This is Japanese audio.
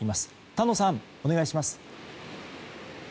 丹野さん、お願いします。